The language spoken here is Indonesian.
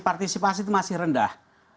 partisipasi itu masih rendah